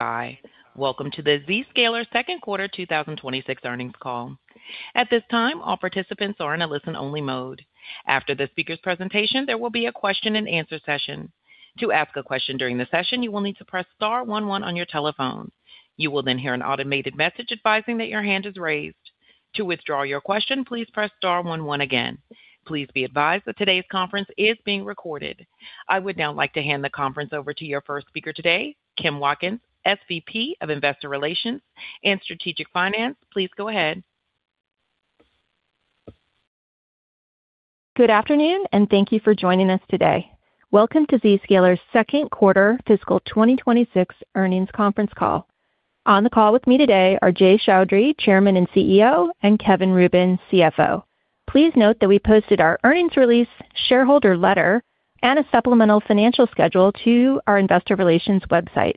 Hi, welcome to the Zscaler Q2 2026 earnings call. At this time, all participants are in a listen-only mode. After the speaker's presentation, there will be a question-and-answer session. To ask a question during the session, you will need to press star 11 on your telephone. You will then hear an automated message advising that your hand is raised. To withdraw your question, please press star 11 again. Please be advised that today's conference is being recorded. I would now like to hand the conference over to your first speaker today, Kim Watkins, SVP of Investor Relations and Strategic Finance. Please go ahead. Good afternoon. Thank you for joining us today. Welcome to Zscaler's Q2 fiscal 2026 earnings conference call. On the call with me today are Jay Chaudhry, Chairman and CEO, and Kevin Rubin, CFO. Please note that we posted our earnings release, shareholder letter, and a supplemental financial schedule to our investor relations website.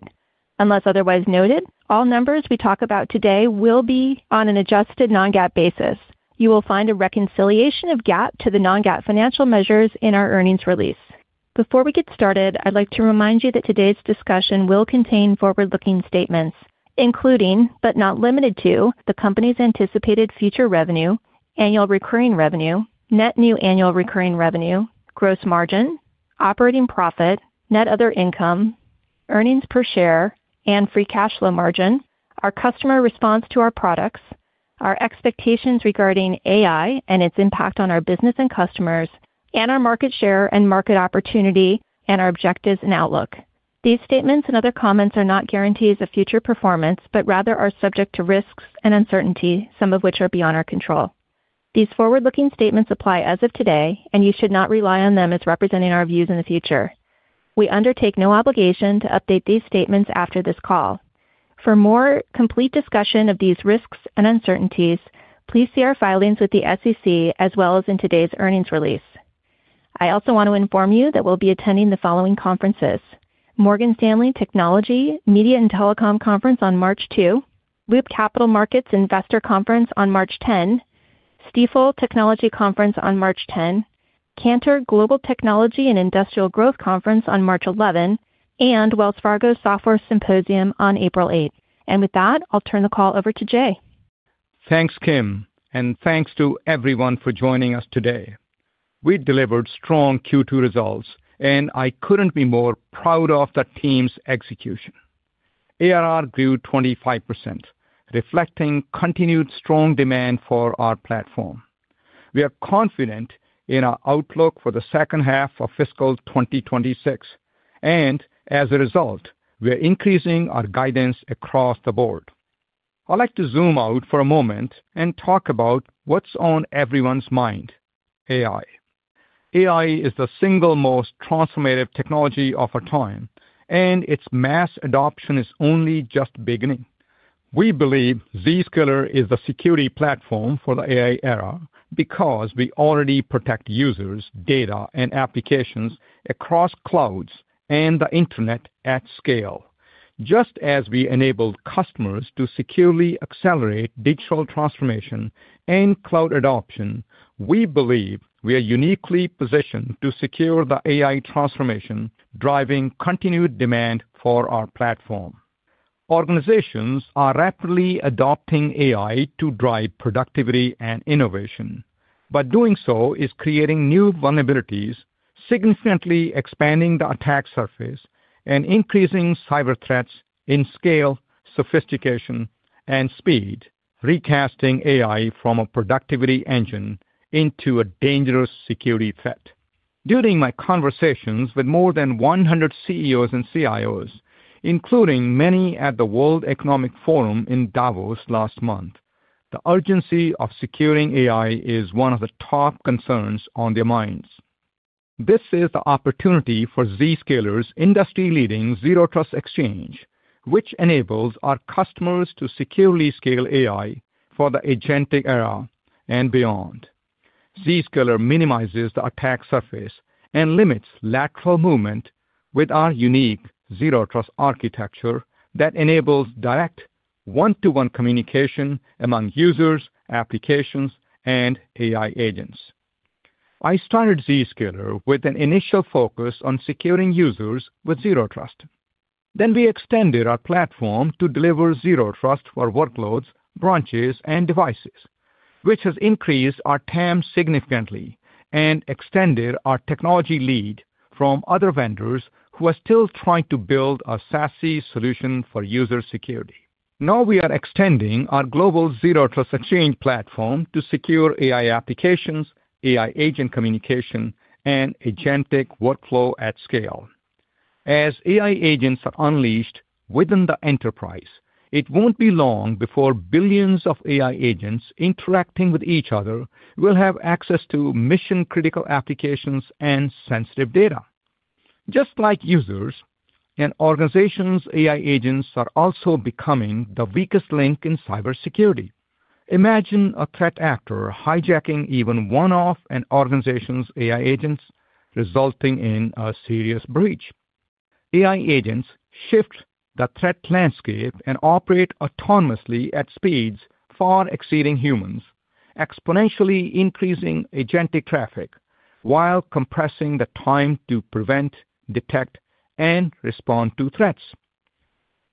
Unless otherwise noted, all numbers we talk about today will be on an adjusted non-GAAP basis. You will find a reconciliation of GAAP to the non-GAAP financial measures in our earnings release. Before we get started, I'd like to remind you that today's discussion will contain forward-looking statements, including, but not limited to, the company's anticipated future revenue, annual recurring revenue, net new annual recurring revenue, gross margin, operating profit, net other income, earnings per share, and free cash flow margin, our customer response to our products, our expectations regarding AI and its impact on our business and customers, and our market share and market opportunity, and our objectives and outlook. These statements and other comments are not guarantees of future performance, but rather are subject to risks and uncertainty, some of which are beyond our control. These forward-looking statements apply as of today, and you should not rely on them as representing our views in the future. We undertake no obligation to update these statements after this call. For more complete discussion of these risks and uncertainties, please see our filings with the SEC as well as in today's earnings release. I also want to inform you that we'll be attending the following conferences: Morgan Stanley Technology, Media, and Telecom Conference on March 2, Loop Capital Markets Investor Conference on March 10, Stifel Technology Conference on March 10, Cantor Global Technology and Industrial Growth Conference on March 11, and Wells Fargo Software Symposium on April 8. With that, I'll turn the call over to Jay. Thanks, Kim. Thanks to everyone for joining us today. We delivered strong Q2 results, and I couldn't be more proud of the team's execution. ARR grew 25%, reflecting continued strong demand for our platform. We are confident in our outlook for the second half of fiscal 2026. As a result, we are increasing our guidance across the board. I'd like to zoom out for a moment and talk about what's on everyone's mind: AI. AI is the single most transformative technology of our time. Its mass adoption is only just beginning. We believe Zscaler is the security platform for the AI era because we already protect users, data, and applications across clouds and the internet at scale. Just as we enabled customers to securely accelerate digital transformation and cloud adoption, we believe we are uniquely positioned to secure the AI transformation, driving continued demand for our platform. Organizations are rapidly adopting AI to drive productivity and innovation. But doing so is creating new vulnerabilities, significantly expanding the attack surface and increasing cyber threats in scale, sophistication, and speed, recasting AI from a productivity engine into a dangerous security threat. During my conversations with more than 100 CEOs and CIOs, including many at the World Economic Forum in Davos last month, the urgency of securing AI is one of the top concerns on their minds. This is the opportunity for Zscaler's industry-leading Zero Trust Exchange, which enables our customers to securely scale AI for the agentic era and beyond. Zscaler minimizes the attack surface and limits lateral movement with our unique Zero Trust architecture that enables direct one-to-one communication among users, applications, and AI agents. I started Zscaler with an initial focus on securing users with Zero Trust. We extended our platform to deliver Zero Trust for workloads, branches, and devices, which has increased our TAM significantly and extended our technology lead from other vendors who are still trying to build a SASE solution for user security. Now we are extending our global Zero Trust Exchange platform to secure AI applications, AI agent communication, and agentic workflow at scale. As AI agents are unleashed within the enterprise, it won't be long before billions of AI agents interacting with each other will have access to mission-critical applications and sensitive data. Just like users and organizations, AI agents are also becoming the weakest link in cybersecurity. Imagine a threat actor hijacking even one of an organization's AI agents, resulting in a serious breach. AI agents shift the threat landscape and operate autonomously at speeds far exceeding humans. Exponentially increasing agentic traffic while compressing the time to prevent, detect, and respond to threats.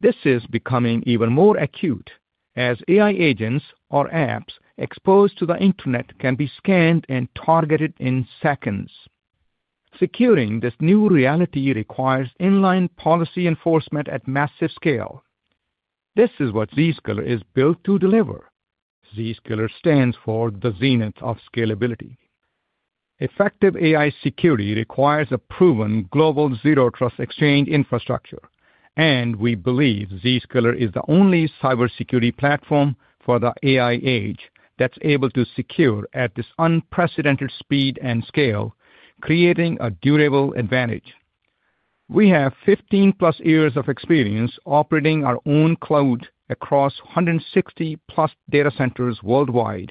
This is becoming even more acute as AI agents or apps exposed to the internet can be scanned and targeted in seconds. Securing this new reality requires inline policy enforcement at massive scale. This is what Zscaler is built to deliver. Zscaler stands for the zenith of scalability. Effective AI security requires a proven global Zero Trust Exchange infrastructure, and we believe Zscaler is the only cybersecurity platform for the AI age that's able to secure at this unprecedented speed and scale, creating a durable advantage. We have 15+ years of experience operating our own cloud across 160+ data centers worldwide,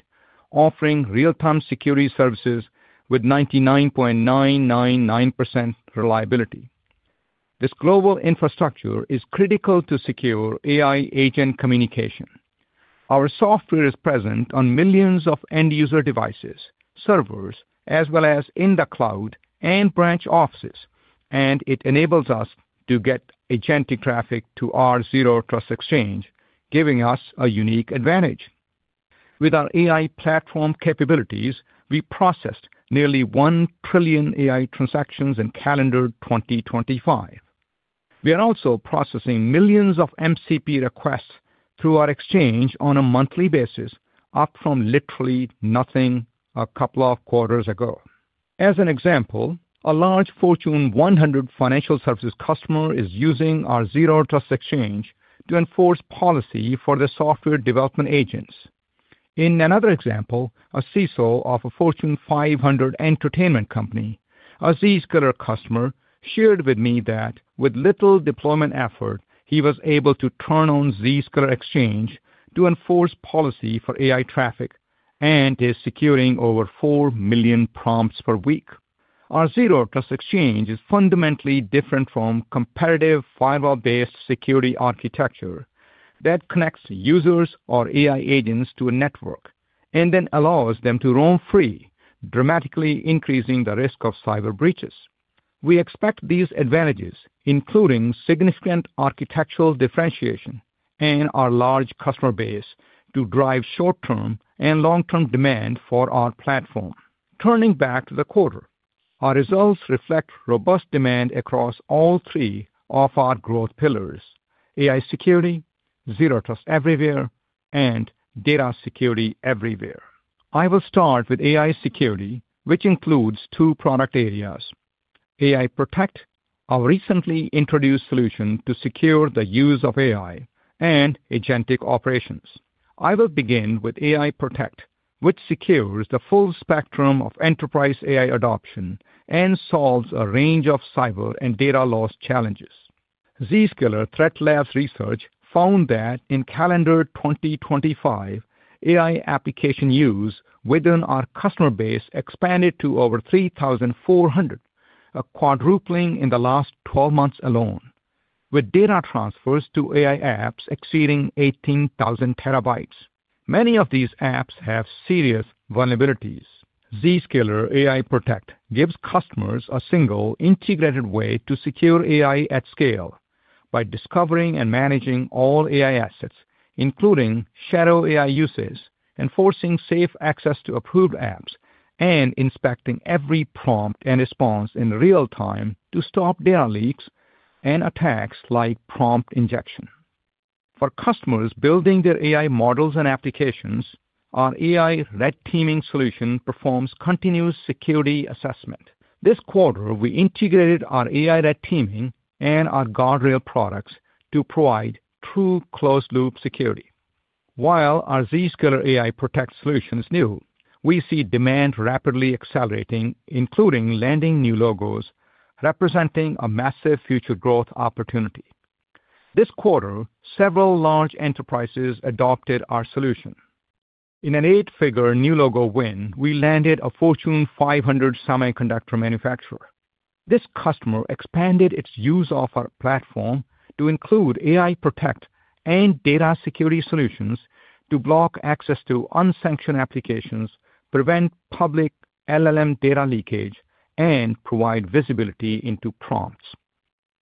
offering real-time security services with 99.999% reliability. This global infrastructure is critical to secure AI agent communication. Our software is present on millions of end-user devices, servers, as well as in the cloud and branch offices, and it enables us to get agentic traffic to our Zero Trust Exchange, giving us a unique advantage. With our AI platform capabilities, we processed nearly 1 trillion AI transactions in calendar 2025. We are also processing millions of MCP requests through our exchange on a monthly basis, up from literally nothing a couple of quarters ago. As an example, a large Fortune 100 financial services customer is using our Zero Trust Exchange to enforce policy for the software development agents. In another example, a CISO of a Fortune 500 entertainment company, a Zscaler customer, shared with me that with little deployment effort, he was able to turn on Zero Trust Exchange to enforce policy for AI traffic and is securing over 4 million prompts per week. Our Zero Trust Exchange is fundamentally different from competitive firewall-based security architecture that connects users or AI agents to a network and then allows them to roam free, dramatically increasing the risk of cyber breaches. We expect these advantages, including significant architectural differentiation and our large customer base, to drive short-term and long-term demand for our platform. Turning back to the quarter, our results reflect robust demand across all three of our growth pillars: AI security, Zero Trust Everywhere, and Data Security Everywhere. I will start with AI Security, which includes two product areas: AI Protect, our recently introduced solution to secure the use of AI and agentic operations. I will begin with AI Protect, which secures the full spectrum of enterprise AI adoption and solves a range of cyber and data loss challenges. Zscaler ThreatLabz research found that in calendar 2025, AI application use within our customer base expanded to over 3,400, a quadrupling in the last 12 months alone, with data transfers to AI apps exceeding 18,000 terabytes. Many of these apps have serious vulnerabilities. Zscaler AI Protect gives customers a single integrated way to secure AI at scale by discovering and managing all AI assets, including shadow AI uses, enforcing safe access to approved apps, and inspecting every prompt and response in real time to stop data leaks and attacks like prompt injection. For customers building their AI models and applications, our AI red teaming solution performs continuous security assessment. This quarter, we integrated our AI red teaming and our guardrail products to provide true closed loop security. While our Zscaler AI Protect solution is new, we see demand rapidly accelerating, including landing new logos, representing a massive future growth opportunity. This quarter, several large enterprises adopted our solution. In an $8-figure new logo win, we landed a Fortune 500 semiconductor manufacturer. This customer expanded its use of our platform to include AI Protect and data security solutions to block access to unsanctioned applications, prevent public LLM data leakage, and provide visibility into prompts.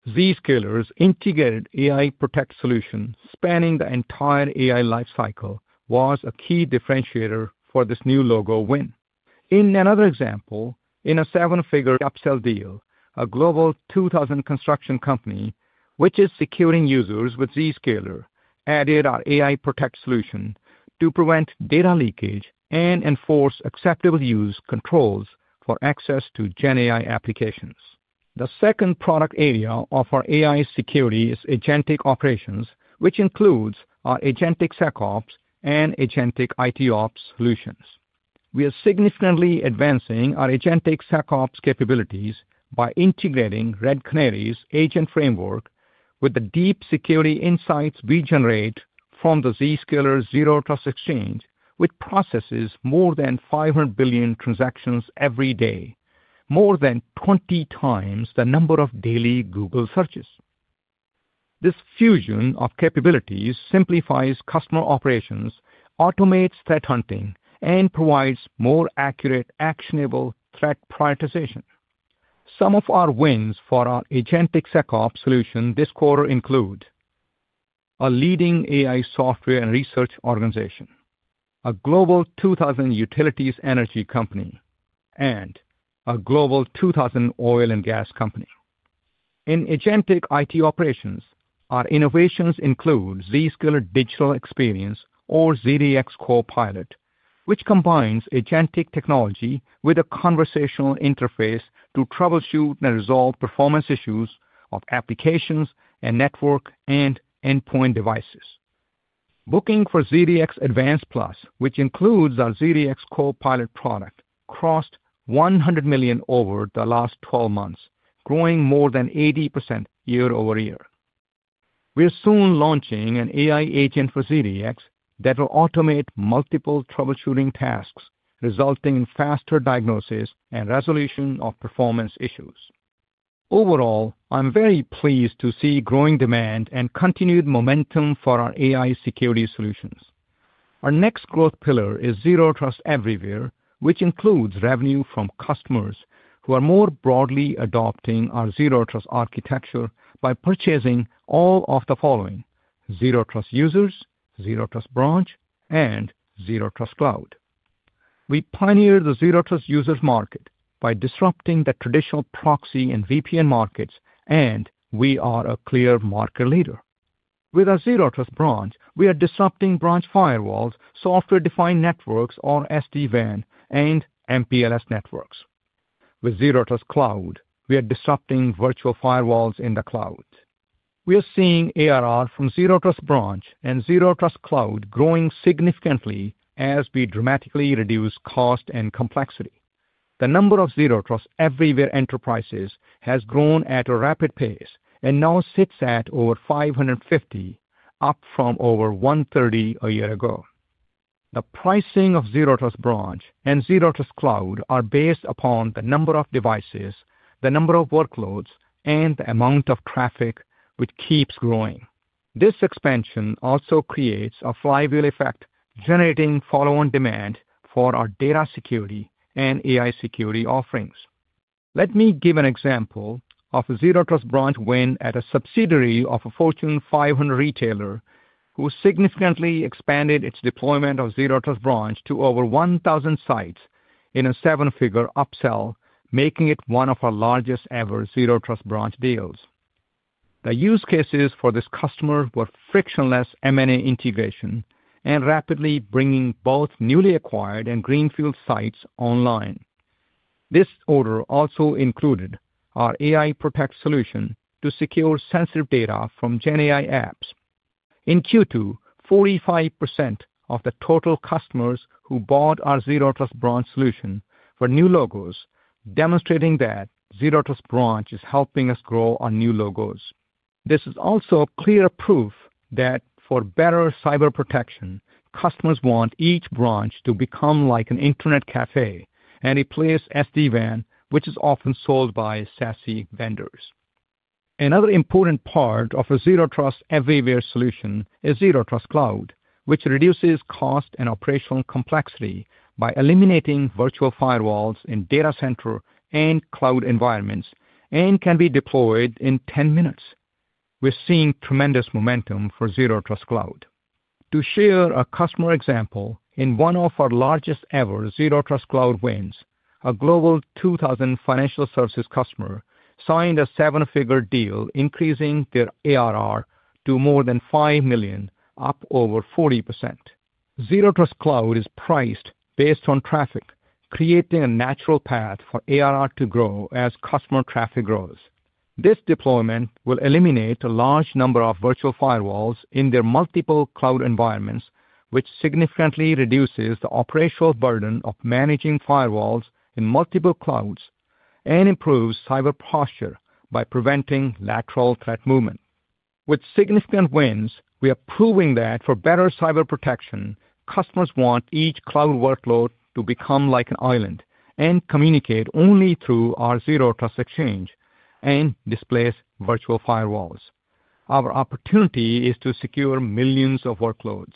Zscaler's integrated AI Protect solution spanning the entire AI life cycle was a key differentiator for this new logo win. In another example, in a 7-figure upsell deal, a Global 2000 construction company, which is securing users with Zscaler, added our AI Protect solution to prevent data leakage and enforce acceptable use controls for access to GenAI applications. The second product area of our AI security is agentic operations, which includes our Agentic SecOps and Agentic ITOps solutions. We are significantly advancing our Agentic SecOps capabilities by integrating Red Canary's agent framework with the deep security insights we generate from the Zscaler Zero Trust Exchange, which processes more than 500 billion transactions every day, more than 20 times the number of daily Google searches. This fusion of capabilities simplifies customer operations, automates threat hunting, and provides more accurate, actionable threat prioritization. Some of our wins for our Agentic SecOps solution this quarter include a leading AI software and research organization, a Global 2000 utilities energy company, and a Global 2000 oil and gas company. In Agentic ITOps, our innovations include Zscaler Digital Experience or ZDX Copilot, which combines agentic technology with a conversational interface to troubleshoot and resolve performance issues of applications and network and endpoint devices. Booking for ZDX Advanced Plus, which includes our ZDX Copilot product, crossed $100 million over the last 12 months, growing more than 80% year-over-year. We are soon launching an AI agent for ZDX that will automate multiple troubleshooting tasks, resulting in faster diagnosis and resolution of performance issues. I'm very pleased to see growing demand and continued momentum for our AI security solutions. Our next growth pillar is Zero Trust Everywhere, which includes revenue from customers who are more broadly adopting our Zero Trust architecture by purchasing all of the following: Zero Trust users, Zero Trust Branch, and Zero Trust Cloud. We pioneered the Zero Trust users market by disrupting the traditional proxy and VPN markets, and we are a clear market leader. With our Zero Trust Branch, we are disrupting branch firewalls, software-defined networks or SD-WAN, and MPLS networks. With Zero Trust Cloud, we are disrupting virtual firewalls in the cloud. We are seeing ARR from Zero Trust Branch and Zero Trust Cloud growing significantly as we dramatically reduce cost and complexity. The number of Zero Trust Everywhere enterprises has grown at a rapid pace and now sits at over 550, up from over 130 a year ago. The pricing of Zero Trust Branch and Zero Trust Cloud are based upon the number of devices, the number of workloads, and the amount of traffic which keeps growing. This expansion also creates a flywheel effect, generating follow-on demand for our data security and AI security offerings. Let me give an example of a Zero Trust Branch win at a subsidiary of a Fortune 500 retailer who significantly expanded its deployment of Zero Trust Branch to over 1,000 sites in a seven-figure upsell, making it one of our largest ever Zero Trust Branch deals. The use cases for this customer were frictionless M&A integration and rapidly bringing both newly acquired and greenfield sites online. This order also included our AI Protect solution to secure sensitive data from GenAI apps. In Q2, 45% of the total customers who bought our Zero Trust Branch solution were new logos, demonstrating that Zero Trust Branch is helping us grow our new logos. This is also clear proof that for better cyber protection, customers want each branch to become like an internet cafe and replace SD-WAN, which is often sold by SASE vendors. Another important part of a Zero Trust Everywhere solution is Zero Trust Cloud, which reduces cost and operational complexity by eliminating virtual firewalls in data center and cloud environments and can be deployed in 10 minutes. We're seeing tremendous momentum for Zero Trust Cloud. To share a customer example, in one of our largest ever Zero Trust Cloud wins, a Global 2000 financial services customer signed a 7-figure deal increasing their ARR to more than $5 million, up over 40%. Zero Trust Cloud is priced based on traffic, creating a natural path for ARR to grow as customer traffic grows. This deployment will eliminate a large number of virtual firewalls in their multiple cloud environments, which significantly reduces the operational burden of managing firewalls in multiple clouds and improves cyber posture by preventing lateral threat movement. With significant wins, we are proving that for better cyber protection, customers want each cloud workload to become like an island and communicate only through our Zero Trust Exchange and displace virtual firewalls. Our opportunity is to secure millions of workloads.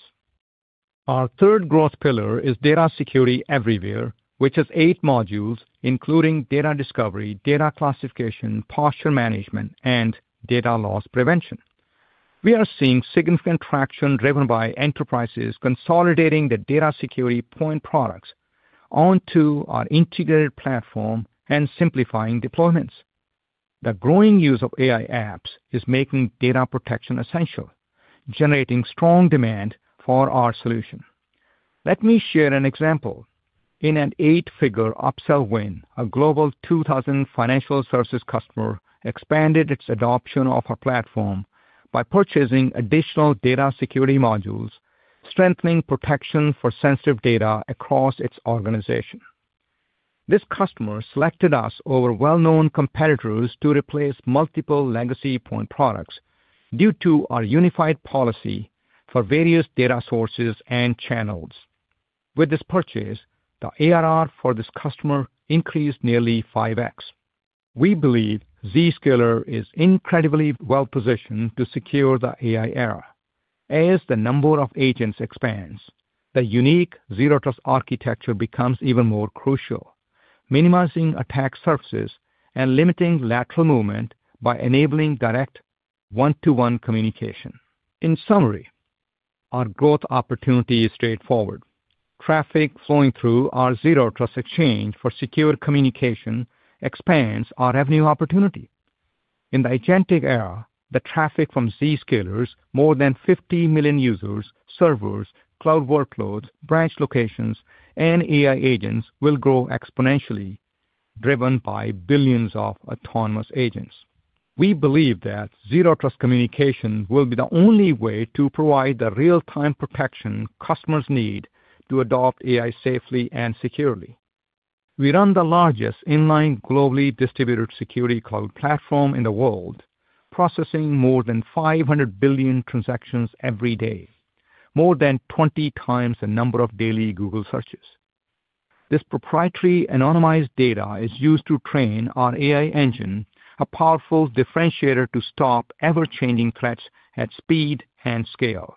Our third growth pillar is Data Security Everywhere, which has eight modules, including data discovery, data classification, posture management, and data loss prevention. We are seeing significant traction driven by enterprises consolidating their data security point products onto our integrated platform and simplifying deployments. The growing use of AI apps is making data protection essential, generating strong demand for our solution. Let me share an example. In an 8-figure upsell win, a Global 2000 financial services customer expanded its adoption of our platform by purchasing additional data security modules, strengthening protection for sensitive data across its organization. This customer selected us over well-known competitors to replace multiple legacy point products due to our unified policy for various data sources and channels. With this purchase, the ARR for this customer increased nearly 5x. We believe Zscaler is incredibly well-positioned to secure the AI era. As the number of agents expands, the unique Zero Trust architecture becomes even more crucial, minimizing attack surfaces and limiting lateral movement by enabling direct one-to-one communication. In summary, our growth opportunity is straightforward. Traffic flowing through our Zero Trust Exchange for secure communication expands our revenue opportunity. In the agentic era, the traffic from Zscaler's, more than 50 million users, servers, cloud workloads, branch locations, and AI agents will grow exponentially, driven by billions of autonomous agents. We believe that Zero Trust communication will be the only way to provide the real-time protection customers need to adopt AI safely and securely. We run the largest inline globally distributed security cloud platform in the world, processing more than 500 billion transactions every day, more than 20 times the number of daily Google searches. This proprietary anonymized data is used to train our AI engine, a powerful differentiator to stop ever-changing threats at speed and scale.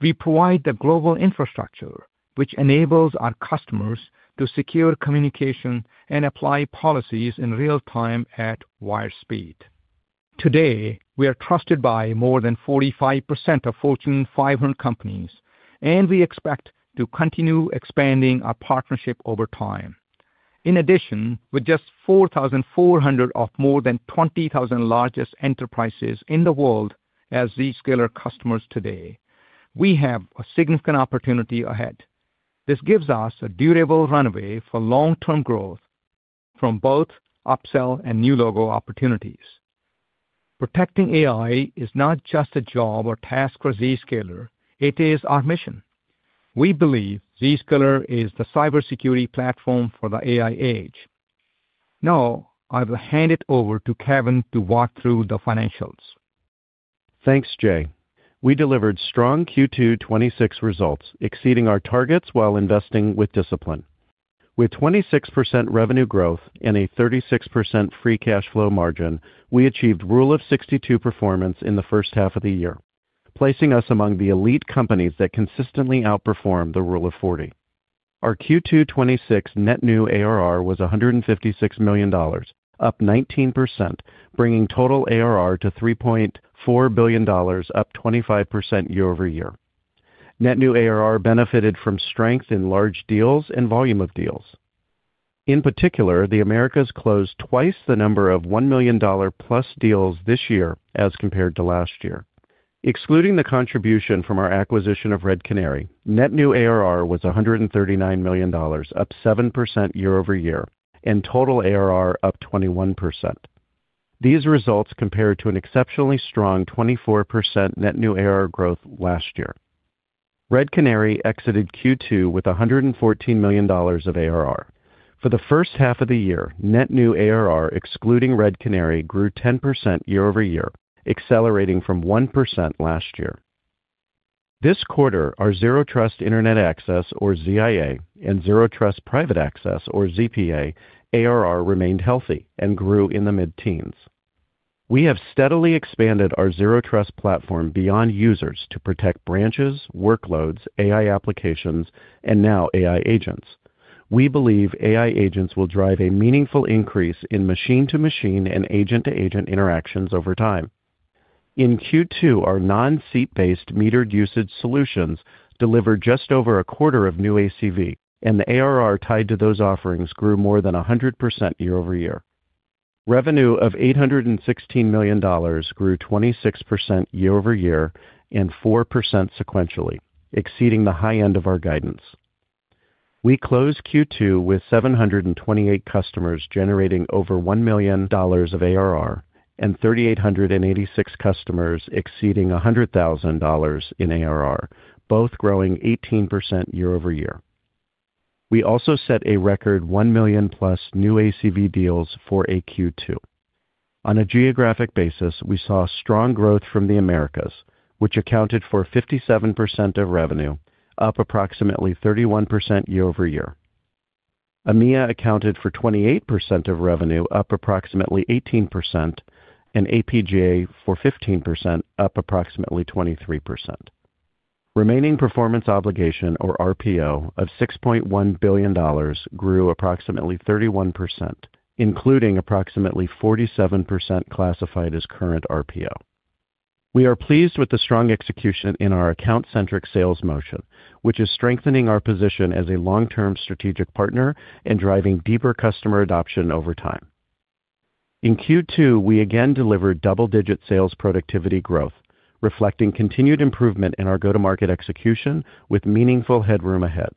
We provide the global infrastructure, which enables our customers to secure communication and apply policies in real time at wire speed. Today, we are trusted by more than 45% of Fortune 500 companies. We expect to continue expanding our partnership over time. In addition, with just 4,400 of more than 20,000 largest enterprises in the world as Zscaler customers today, we have a significant opportunity ahead. This gives us a durable runway for long-term growth from both upsell and new logo opportunities. Protecting AI is not just a job or task for Zscaler, it is our mission. We believe Zscaler is the cybersecurity platform for the AI age. Now, I will hand it over to Kevin to walk through the financials. Thanks, Jay. We delivered strong Q2 2026 results, exceeding our targets while investing with discipline. With 26% revenue growth and a 36% free cash flow margin, we achieved Rule of 62 performance in the first half of the year, placing us among the elite companies that consistently outperform the Rule of 40. Our Q2 2026 net new ARR was $156 million, up 19%, bringing total ARR to $3.4 billion, up 25% year-over-year. Net new ARR benefited from strength in large deals and volume of deals. In particular, the Americas closed twice the number of $1 million plus deals this year as compared to last year. Excluding the contribution from our acquisition of Red Canary, net new ARR was $139 million, up 7% year-over-year, and total ARR up 21%. These results compare to an exceptionally strong 24% net new ARR growth last year. Red Canary exited Q2 with $114 million of ARR. For the first half of the year, net new ARR, excluding Red Canary, grew 10% year-over-year, accelerating from 1% last year. This quarter, our Zero Trust Internet Access, or ZIA, and Zero Trust Private Access, or ZPA, ARR remained healthy and grew in the mid-teens. We have steadily expanded our Zero Trust platform beyond users to protect branches, workloads, AI applications, and now AI agents. We believe AI agents will drive a meaningful increase in machine-to-machine and agent-to-agent interactions over time. In Q2, our non-seat-based metered usage solutions delivered just over a quarter of new ACV, and the ARR tied to those offerings grew more than 100% year-over-year. Revenue of $816 million grew 26% year-over-year and 4% sequentially, exceeding the high end of our guidance. We closed Q2 with 728 customers generating over $1 million of ARR and 3,886 customers exceeding $100,000 in ARR, both growing 18% year-over-year. We also set a record 1 million+ new ACV deals for a Q2. On a geographic basis, we saw strong growth from the Americas, which accounted for 57% of revenue, up approximately 31% year-over-year. EMEA accounted for 28% of revenue, up approximately 18%, and APJ for 15%, up approximately 23%. Remaining performance obligation, or RPO, of $6.1 billion grew approximately 31%, including approximately 47% classified as current RPO. We are pleased with the strong execution in our account-centric sales motion, which is strengthening our position as a long-term strategic partner and driving deeper customer adoption over time. In Q2, we again delivered double-digit sales productivity growth, reflecting continued improvement in our go-to-market execution with meaningful headroom ahead.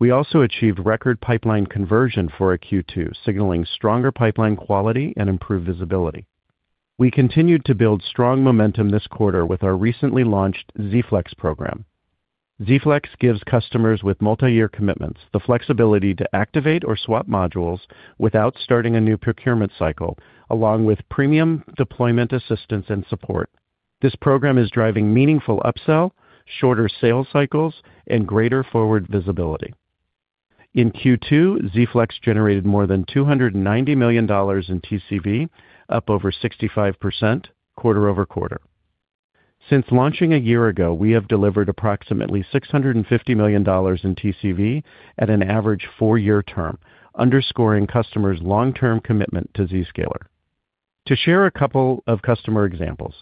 We also achieved record pipeline conversion for a Q2, signaling stronger pipeline quality and improved visibility. We continued to build strong momentum this quarter with our recently launched Z-Flex program. Z-Flex gives customers with multi-year commitments the flexibility to activate or swap modules without starting a new procurement cycle, along with premium deployment assistance and support. This program is driving meaningful upsell, shorter sales cycles, and greater forward visibility. In Q2, Z-Flex generated more than $290 million in TCV, up over 65% quarter-over-quarter. Since launching a year ago, we have delivered approximately $650 million in TCV at an average four-year term, underscoring customers' long-term commitment to Zscaler. To share a couple of customer examples,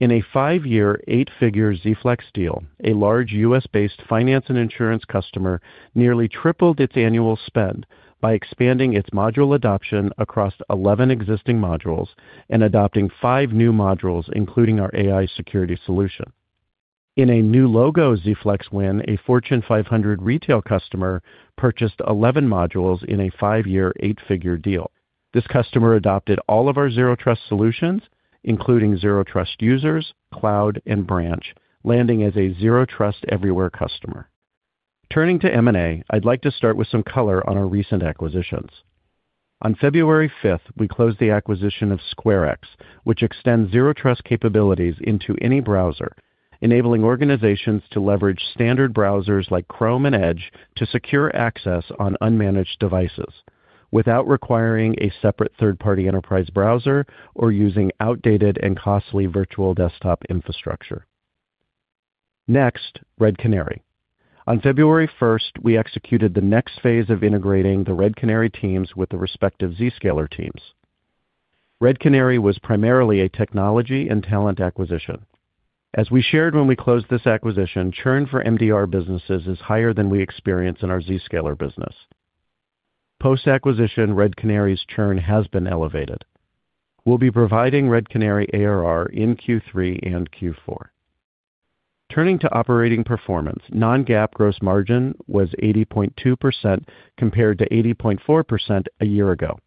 in a five-year, eight-figure Z-Flex deal, a large US-based finance and insurance customer nearly tripled its annual spend by expanding its module adoption across 11 existing modules and adopting 5 new modules, including our AI security solution. In a new logo Z-Flex win, a Fortune 500 retail customer purchased 11 modules in a five-year, eight-figure deal. This customer adopted all of our Zero Trust solutions, including Zero Trust users, Zero Trust Cloud, and Zero Trust Branch, landing as a Zero Trust Everywhere customer. Turning to M&A, I'd like to start with some color on our recent acquisitions. On February fifth, we closed the acquisition of SquareX, which extends Zero Trust capabilities into any browser, enabling organizations to leverage standard browsers like Chrome and Edge to secure access on unmanaged devices without requiring a separate third-party enterprise browser or using outdated and costly virtual desktop infrastructure. Next, Red Canary. On February first, we executed the next phase of integrating the Red Canary teams with the respective Zscaler teams. Red Canary was primarily a technology and talent acquisition. As we shared when we closed this acquisition, churn for MDR businesses is higher than we experience in our Zscaler business. Post-acquisition, Red Canary's churn has been elevated. We'll be providing Red Canary ARR in Q3 and Q4. Turning to operating performance, non-GAAP gross margin was 80.2% compared to 80.4% a year ago.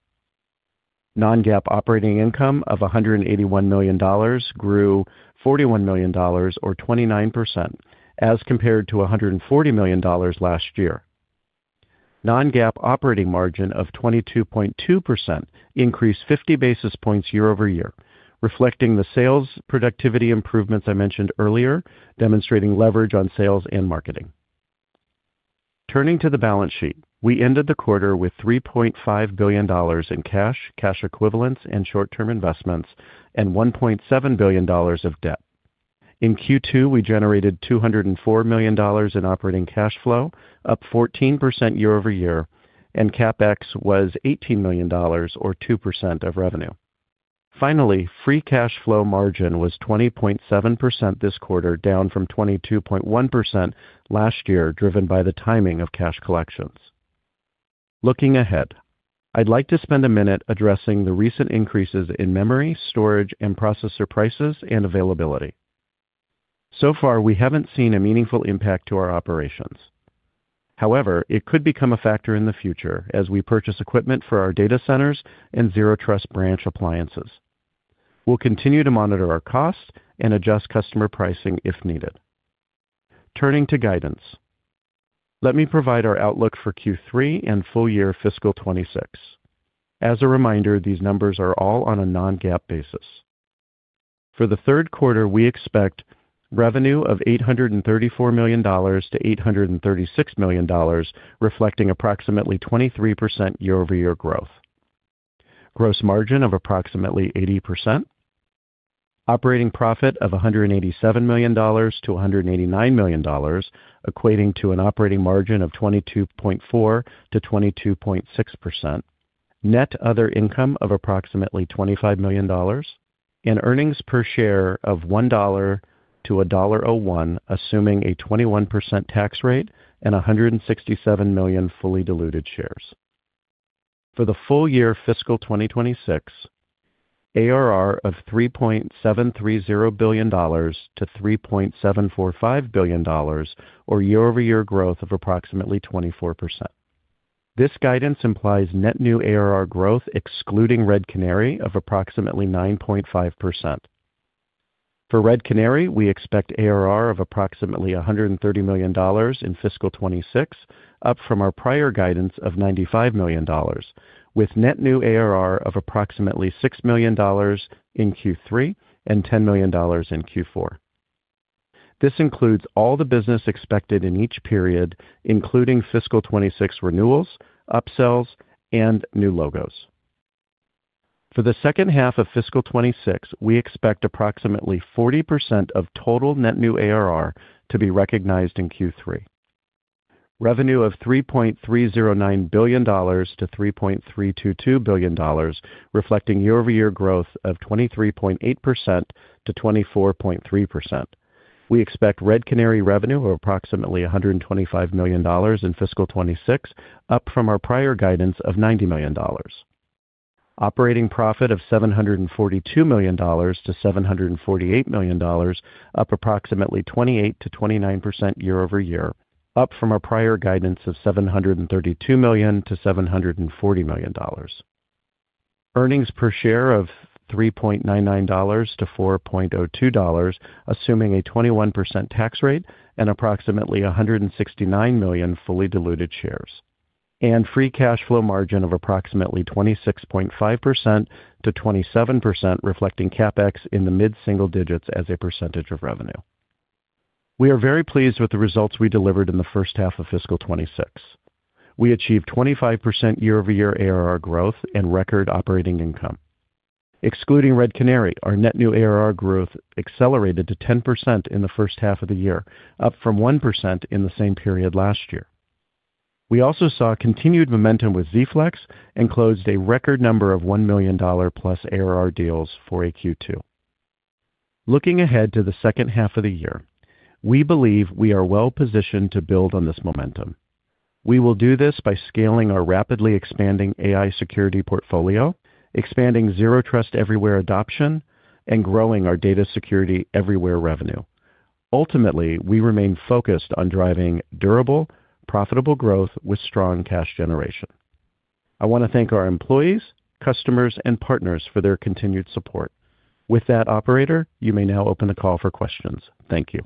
Non-GAAP operating income of $181 million grew $41 million or 29% as compared to $140 million last year. Non-GAAP operating margin of 22.2% increased 50 basis points year-over-year, reflecting the sales productivity improvements I mentioned earlier, demonstrating leverage on sales and marketing. Turning to the balance sheet, we ended the quarter with $3.5 billion in cash equivalents, and short-term investments, and $1.7 billion of debt. In Q2, we generated $204 million in operating cash flow, up 14% year-over-year, and CapEx was $18 million or 2% of revenue. Free cash flow margin was 20.7% this quarter, down from 22.1% last year, driven by the timing of cash collections. Looking ahead, I'd like to spend a minute addressing the recent increases in memory, storage, and processor prices and availability. So far, we haven't seen a meaningful impact to our operations. It could become a factor in the future as we purchase equipment for our data centers and Zero Trust Branch appliances. We'll continue to monitor our costs and adjust customer pricing if needed. Turning to guidance, let me provide our outlook for Q3 and full year fiscal 26. As a reminder, these numbers are all on a non-GAAP basis. For the Q3, we expect revenue of $834 million-$836 million, reflecting approximately 23% year-over-year growth. Gross margin of approximately 80%. Operating profit of $187 million-$189 million, equating to an operating margin of 22.4%-22.6%. Net other income of approximately $25 million. Earnings per share of $1.00-$1.01, assuming a 21% tax rate and 167 million fully diluted shares. For the full year fiscal 2026, ARR of $3.730 billion-$3.745 billion, or year-over-year growth of approximately 24%. This guidance implies net new ARR growth excluding Red Canary of approximately 9.5%. For Red Canary, we expect ARR of approximately $130 million in fiscal 2026, up from our prior guidance of $95 million, with net new ARR of approximately $6 million in Q3 and $10 million in Q4. This includes all the business expected in each period, including fiscal 2026 renewals, upsells, and new logos. For the second half of fiscal 2026, we expect approximately 40% of total net new ARR to be recognized in Q3. Revenue of $3.309 billion-$3.322 billion, reflecting year-over-year growth of 23.8%-24.3%. We expect Red Canary revenue of approximately $125 million in fiscal 2026, up from our prior guidance of $90 million. Operating profit of $742 million to $748 million, up approximately 28%-29% year-over-year, up from our prior guidance of $732 million to $740 million. Earnings per share of $3.99 to $4.02, assuming a 21% tax rate and approximately 169 million fully diluted shares. Free cash flow margin of approximately 26.5%-27%, reflecting CapEx in the mid-single digits as a percentage of revenue. We are very pleased with the results we delivered in the first half of fiscal 2026. We achieved 25% year-over-year ARR growth and record operating income. Excluding Red Canary, our net new ARR growth accelerated to 10% in the first half of the year, up from 1% in the same period last year. We also saw continued momentum with Z-Flex and closed a record number of $1 million+ ARR deals for a Q2. Looking ahead to the second half of the year, we believe we are well positioned to build on this momentum. We will do this by scaling our rapidly expanding AI security portfolio, expanding Zero Trust Everywhere adoption, and growing our Data Security Everywhere revenue. Ultimately, we remain focused on driving durable, profitable growth with strong cash generation. I want to thank our employees, customers, and partners for their continued support. With that, operator, you may now open the call for questions. Thank you.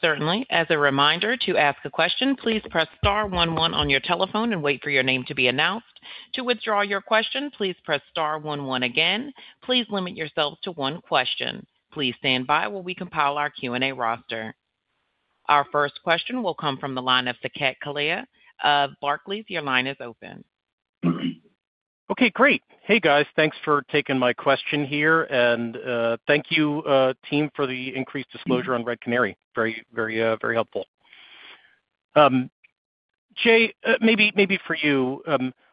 Certainly. As a reminder, to ask a question, please press star one one on your telephone and wait for your name to be announced. To withdraw your question, please press star one one again. Please limit yourself to one question. Please stand by while we compile our Q&A roster. Our first question will come from the line of Saket Kalia of Barclays. Your line is open. Okay, great. Hey, guys. Thanks for taking my question here. Thank you, team for the increased disclosure on Red Canary. Very, very helpful. Jay, maybe for you,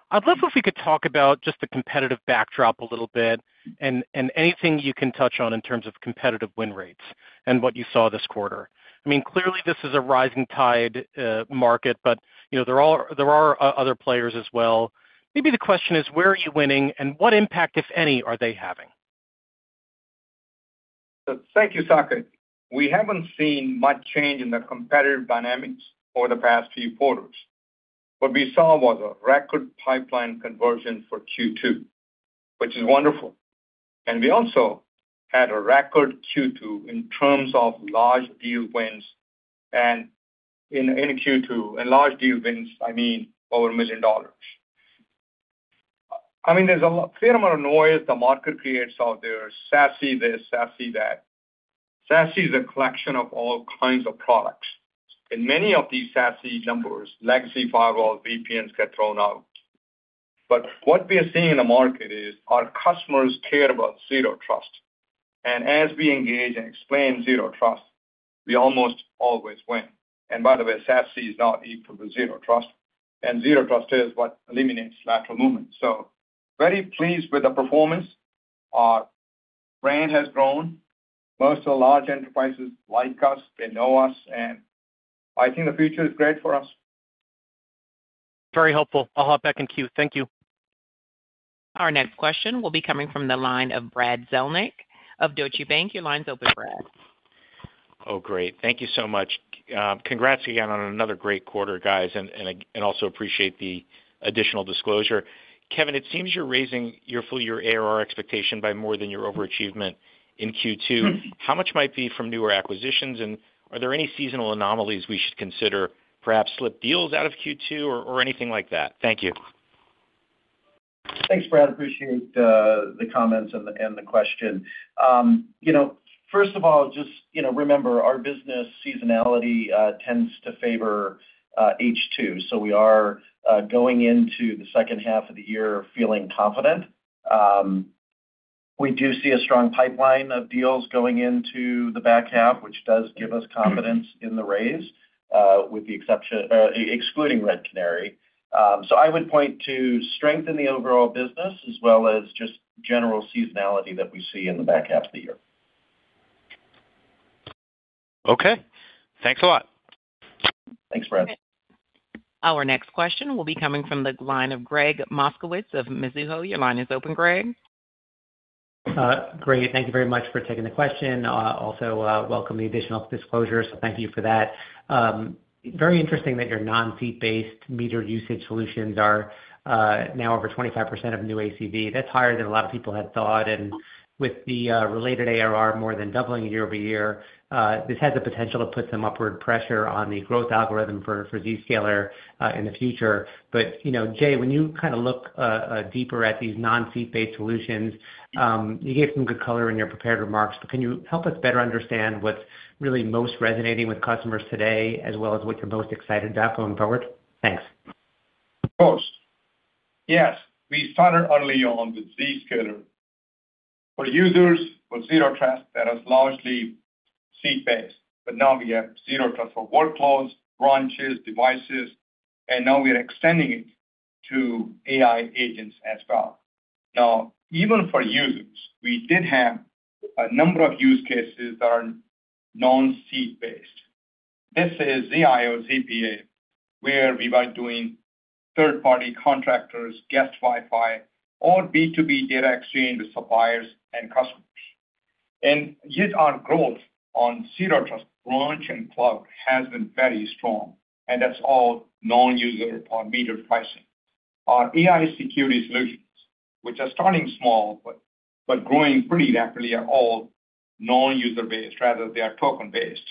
I'd love if we could talk about just the competitive backdrop a little bit and anything you can touch on in terms of competitive win rates and what you saw this quarter. I mean, clearly this is a rising tide market, but, you know, there are other players as well. Maybe the question is, where are you winning and what impact, if any, are they having? Thank you, Saket. We haven't seen much change in the competitive dynamics over the past few quarters. What we saw was a record pipeline conversion for Q2, which is wonderful. We also had a record Q2 in terms of large deal wins and in Q2, and large deal wins, I mean, over $1 million. I mean, there's a fair amount of noise the market creates out there, SASE this, SASE that. SASE is a collection of all kinds of products. In many of these SASE numbers, legacy firewalls, VPNs get thrown out. What we are seeing in the market is our customers care about Zero Trust. As we engage and explain Zero Trust, we almost always win. By the way, SASE is not equal to Zero Trust, and Zero Trust is what eliminates lateral movement. Very pleased with the performance. Our brand has grown. Most of the large enterprises like us, they know us, and I think the future is great for us. Very helpful. I'll hop back in queue. Thank you. Our next question will be coming from the line of Brad Zelnick of Deutsche Bank. Your line's open, Brad. Oh, great. Thank you so much. Congrats again on another great quarter, guys, and also appreciate the additional disclosure. Kevin, it seems you're raising your full year ARR expectation by more than your overachievement in Q2. How much might be from newer acquisitions, and are there any seasonal anomalies we should consider, perhaps slipped deals out of Q2 or anything like that? Thank you. Thanks, Brad. Appreciate the comments and the question. You know, first of all, just, you know, remember our business seasonality tends to favor H2. We are going into the second half of the year feeling confident. We do see a strong pipeline of deals going into the back half, which does give us confidence in the raise, excluding Red Canary. I would point to strength in the overall business as well as just general seasonality that we see in the back half of the year. Okay. Thanks a lot. Thanks, Brad. Our next question will be coming from the line of Gregg Moskowitz of Mizuho. Your line is open, Greg. Great. Thank you very much for taking the question. also, welcome the additional disclosure. Thank you for that. Very interesting that your non-seat-based meter usage solutions are now over 25% of new ACV. That's higher than a lot of people had thought. With the related ARR more than doubling year-over-year, this has the potential to put some upward pressure on the growth algorithm for Zscaler in the future. You know, Jay, when you kinda look deeper at these non-seat-based solutions, you gave some good color in your prepared remarks, but can you help us better understand what's really most resonating with customers today as well as what you're most excited about going forward? Thanks. Of course. Yes, we started early on with Zscaler. For users with Zero Trust, that is largely seat-based, but now we have Zero Trust for workloads, branches, devices, and now we are extending it to AI agents as well. Even for users, we did have a number of use cases that are non-seat-based. This is ZIA, ZPA, where we were doing third-party contractors, guest Wi-Fi, or B2B data exchange with suppliers and customers. Yet our growth on Zero Trust branch and cloud has been very strong, and that's all non-user or metered pricing. Our AI security solutions, which are starting small but growing pretty rapidly, are all non-user-based. Rather, they are token-based.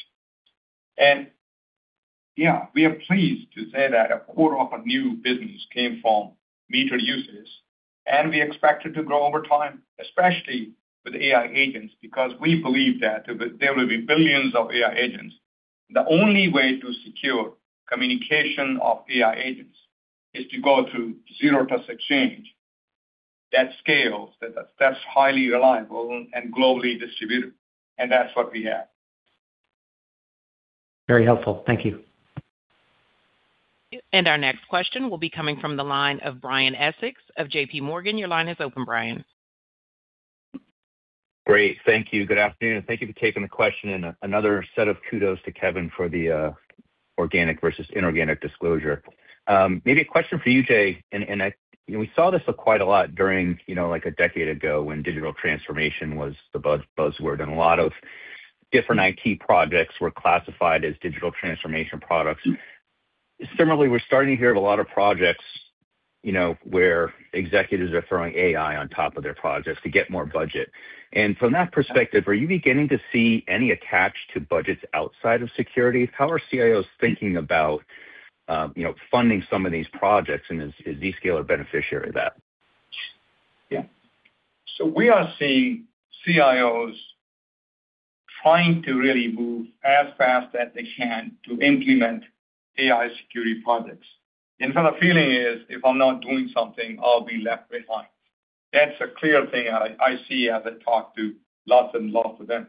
Yeah, we are pleased to say that a quarter of our new business came from metered usage, and we expect it to grow over time, especially with AI agents, because we believe that there will be billions of AI agents. The only way to secure communication of AI agents is to go to Zero Trust Exchange. That scales, that's highly reliable and globally distributed, and that's what we have. Very helpful. Thank you. Our next question will be coming from the line of Brian Essex of J.P. Morgan. Your line is open, Brian. Great. Thank you. Good afternoon. Thank you for taking the question. Another set of kudos to Kevin for the organic versus inorganic disclosure. Maybe a question for you, Jay. We saw this quite a lot during, you know, like a decade ago when digital transformation was the buzzword and a lot of different IT projects were classified as digital transformation products. Similarly, we're starting to hear of a lot of projects, you know, where executives are throwing AI on top of their projects to get more budget. From that perspective, are you beginning to see any attach to budgets outside of security? How are CIOs thinking about, you know, funding some of these projects, and is Zscaler a beneficiary of that? We are seeing CIOs trying to really move as fast as they can to implement AI security projects. Kind of feeling is, if I'm not doing something, I'll be left behind. That's a clear thing I see as I talk to lots and lots of them.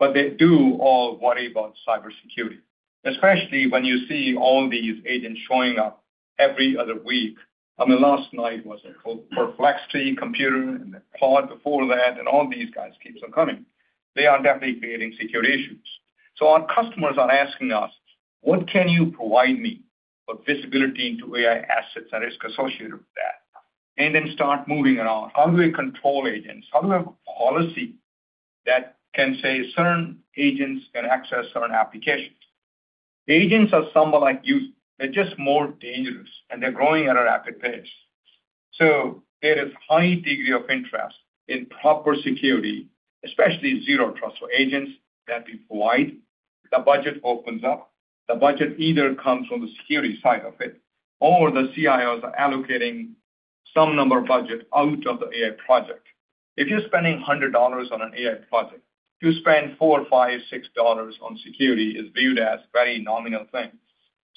They do all worry about cybersecurity, especially when you see all these agents showing up every other week. I mean, last night was a Perplexity computer, and the pod before that, and all these guys keeps on coming. They are definitely creating security issues. Our customers are asking us, "What can you provide me for visibility into AI assets and risk associated with that?" Start moving around, how do we control agents? How do we have policy that can say certain agents can access certain applications. Agents are somewhat like youth. They're just more dangerous, and they're growing at a rapid pace. There is high degree of interest in proper security, especially Zero Trust for agents that we provide. The budget opens up. The budget either comes from the security side of it or the CIOs are allocating some number of budget out of the AI project. If you're spending $100 on an AI project, to spend $4, $5, $6 on security is viewed as very nominal thing.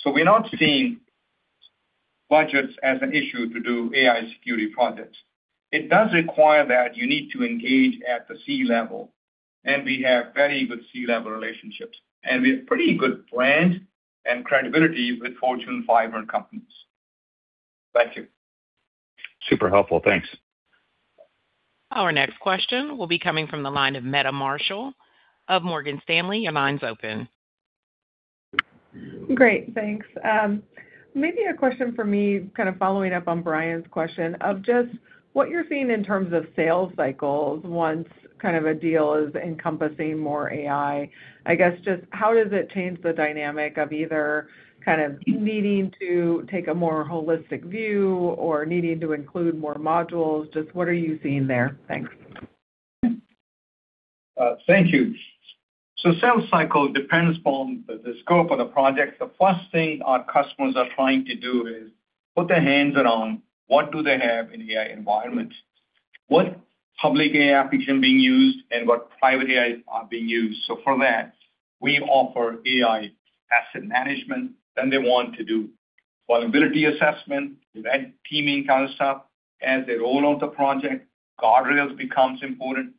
We're not seeing budgets as an issue to do AI security projects. It does require that you need to engage at the C-level, and we have very good C-level relationships, and we have pretty good brand and credibility with Fortune 500 companies. Thank you. Super helpful. Thanks. Our next question will be coming from the line of Meta Marshall of Morgan Stanley. Your line's open. Great. Thanks. Maybe a question for me, kind of following up on Brian's question of just what you're seeing in terms of sales cycles once kind of a deal is encompassing more AI. I guess just how does it change the dynamic of either kind of needing to take a more holistic view or needing to include more modules? Just what are you seeing there? Thanks. Thank you. Sales cycle depends upon the scope of the project. The first thing our customers are trying to do is put their hands around what do they have in AI environments, what public AI application being used, and what private AI are being used. For that, we offer AI asset management. They want to do vulnerability assessment, red teaming kind of stuff. As they roll out the project, guardrails becomes important.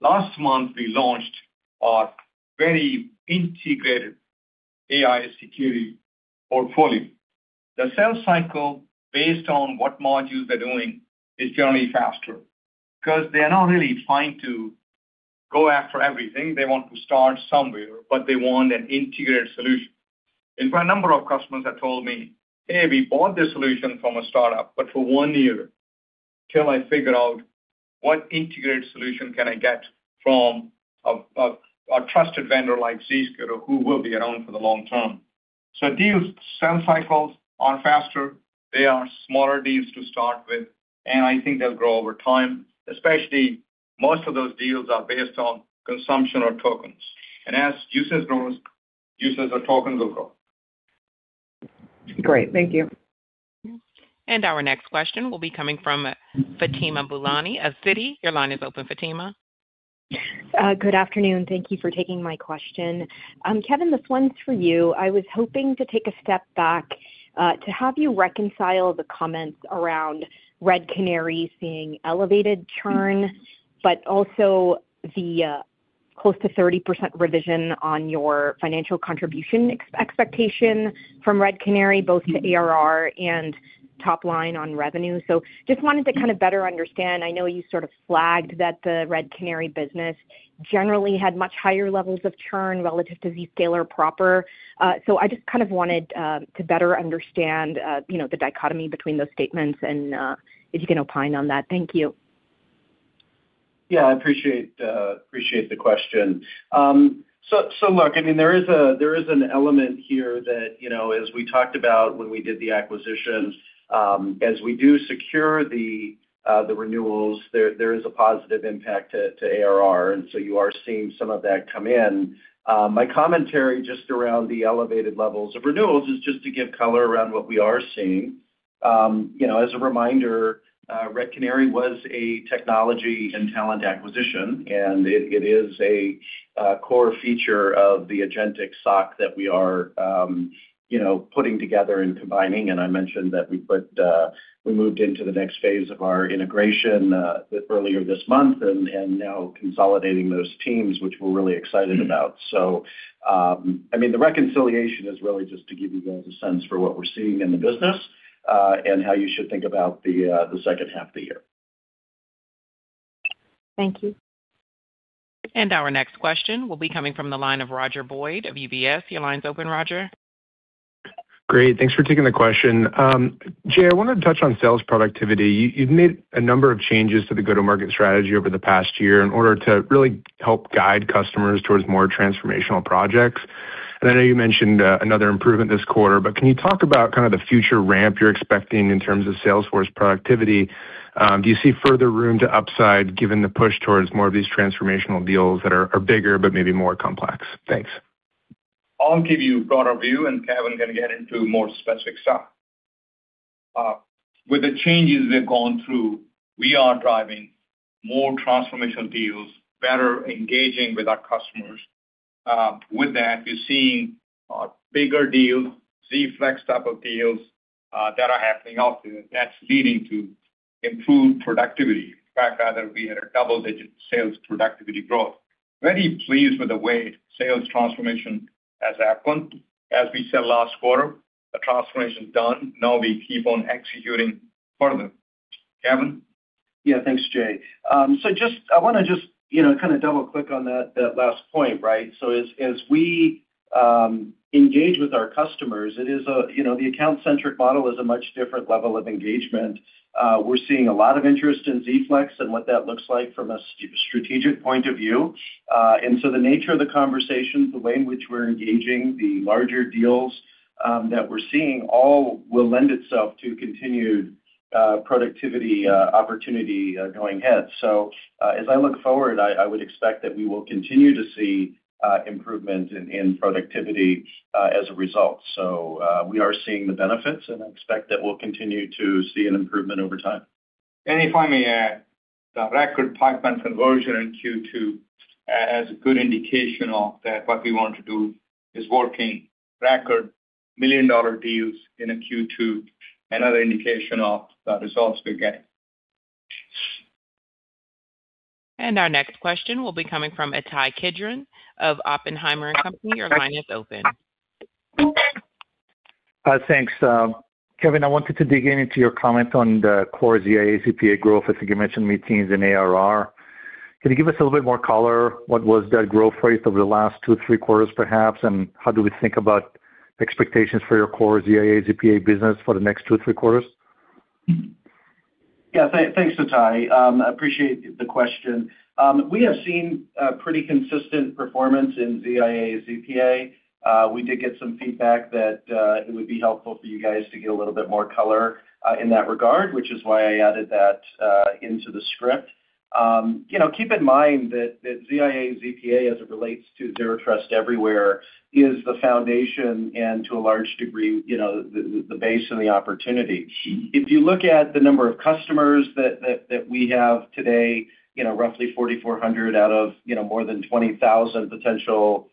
Last month, we launched our very integrated AI security portfolio. The sales cycle, based on what modules they're doing, is generally faster because they are not really trying to go after everything. They want to start somewhere, but they want an integrated solution. Quite a number of customers have told me, "Hey, we bought this solution from a startup, but for one year, till I figure out what integrated solution can I get from a trusted vendor like Zscaler who will be around for the long term." Deals, sales cycles are faster. They are smaller deals to start with, and I think they'll grow over time, especially most of those deals are based on consumption or tokens. As usage grows, usage or tokens will grow. Great. Thank you. Our next question will be coming from Fatima Boolani of Citi. Your line is open, Fatima. Good afternoon. Thank you for taking my question. Kevin, this one's for you. I was hoping to take a step back to have you reconcile the comments around Red Canary seeing elevated churn, but also the close to 30% revision on your financial contribution ex-expectation from Red Canary, both to ARR and top line on revenue. Just wanted to kind of better understand. I know you sort of flagged that the Red Canary business generally had much higher levels of churn relative to Zscaler proper. I just kind of wanted to better understand, you know, the dichotomy between those statements and, if you can opine on that. Thank you. Yeah, I appreciate the question. Look, I mean, there is an element here that, you know, as we talked about when we did the acquisition, as we do secure the renewals, there is a positive impact to ARR, you are seeing some of that come in. My commentary just around the elevated levels of renewals is just to give color around what we are seeing. You know, as a reminder, Red Canary was a technology and talent acquisition, and it is a core feature of the agentic SOC that we are, you know, putting together and combining. I mentioned that we moved into the next phase of our integration earlier this month and now consolidating those teams, which we're really excited about. I mean, the reconciliation is really just to give you guys a sense for what we're seeing in the business, and how you should think about the second half of the year. Thank you. Our next question will be coming from the line of Roger Boyd of UBS. Your line's open, Roger. Great. Thanks for taking the question. Jay, I want to touch on sales productivity. You've made a number of changes to the go-to-market strategy over the past year in order to really help guide customers towards more transformational projects. I know you mentioned another improvement this quarter, but can you talk about kind of the future ramp you're expecting in terms of sales force productivity? Do you see further room to upside given the push towards more of these transformational deals that are bigger but maybe more complex? Thanks. I'll give you a broader view, and Kevin can get into more specific stuff. With the changes we've gone through, we are driving more transformational deals, better engaging with our customers. With that, you're seeing bigger deals, Z-Flex type of deals that are happening out there. That's leading to improved productivity. In fact, rather, we had a double-digit sales productivity growth. Very pleased with the way sales transformation has happened. As we said last quarter, the transformation's done. Now we keep on executing further. Kevin? Yeah. Thanks, Jay. I wanna just, you know, kinda double-click on that last point, right? As we engage with our customers, it is a, you know, the account-centric model is a much different level of engagement. We're seeing a lot of interest in Z-Flex and what that looks like from a strategic point of view. The nature of the conversations, the way in which we're engaging the larger deals, that we're seeing all will lend itself to continued productivity, opportunity, going ahead. As I look forward, I would expect that we will continue to see improvement in productivity as a result. We are seeing the benefits, and I expect that we'll continue to see an improvement over time. If I may add, the record pipeline conversion in Q2 has a good indication of that what we want to do is working. Record million-dollar deals in a Q2, another indication of the results we're getting. Our next question will be coming from Ittai Kidron of Oppenheimer & Co. Your line is open. Thanks. Kevin, I wanted to dig into your comment on the core ZIA/ZPA growth. I think you mentioned mid-teens in ARR. Can you give us a little bit more color? What was that growth rate over the last 2, 3 quarters perhaps? How do we think about expectations for your core ZIA/ZPA business for the next 2, 3 quarters? Thanks, Ittai. I appreciate the question. We have seen a pretty consistent performance in ZIA/ZPA. We did get some feedback that it would be helpful for you guys to get a little bit more color in that regard, which is why I added that into the script. You know, keep in mind that ZIA/ZPA as it relates to Zero Trust Everywhere is the foundation and to a large degree, you know, the base and the opportunity. If you look at the number of customers that we have today, you know, roughly 4,400 out of, you know, more than 20,000 potential